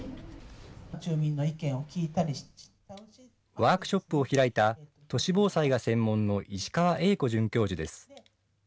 ワークショップを開いた、都市防災が専門の石川永子准教授です。